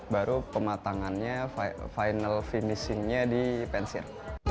baru pematangannya final finishingnya di pensiun